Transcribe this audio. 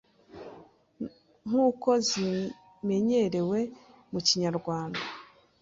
nkuko zimenyerewe mu Kinyarwanda.